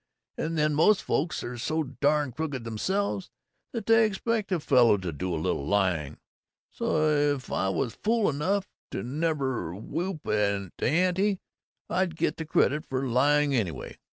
And then most folks are so darn crooked themselves that they expect a fellow to do a little lying, so if I was fool enough to never whoop the ante I'd get the credit for lying anyway!